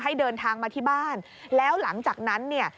ให้เดินทางมาที่บ้านแล้วหลังจากนั้นเนี่ย